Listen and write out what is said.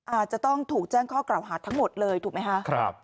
อาจจะต้องถูกแจ้งข้อกล่าวหาทั้งหมดเลยถูกไหมคะ